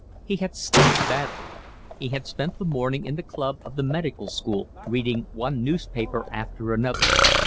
He had slept badly. He had spent the morning in the club of the Medical School, reading one newspaper after another.